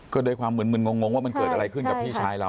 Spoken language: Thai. ก็ด้วยความมึนงงว่ามันเกิดอะไรขึ้นกับพี่ชายเรา